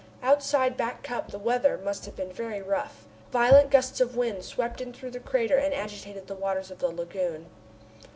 Outside Back Cup the weather must have been very rough. Violent gusts of wind swept in through the crater and agitated the water of the lagoon.